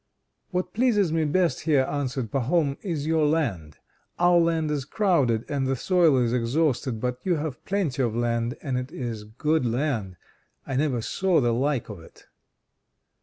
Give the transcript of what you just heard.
"What pleases me best here," answered Pahom, "is your land. Our land is crowded, and the soil is exhausted; but you have plenty of land and it is good land. I never saw the like of it."